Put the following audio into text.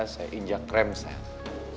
saya injak rem saya